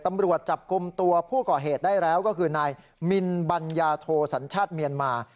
ตำรวจจับกลุ่มตัวผู้ก่อเหตุได้แล้วก็คือนายมินบัญญาโทสัญชาติเมียนมา